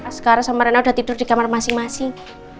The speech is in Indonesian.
sekarang sama rena udah tidur di kamar masing masing